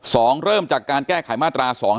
เริ่มจากการแก้ไขมาตราสอง